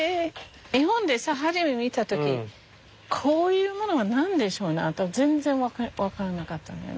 日本で初め見た時「こういうものは何でしょうな？」と全然分からなかったんよね。